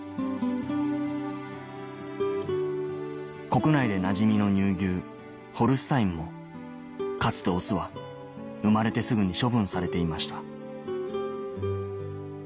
国内でなじみの乳牛ホルスタインもかつてオスは生まれてすぐに処分されていました